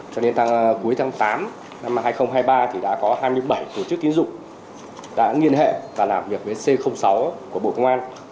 cho đến cuối tháng tám năm hai nghìn hai mươi ba thì đã có hai mươi bảy tổ chức tín dụng đã nghiên hệ và làm việc với c sáu của bộ công an